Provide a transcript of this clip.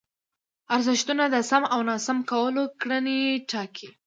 ارزښتونه د سم او ناسم کولو کړنې ټاکي.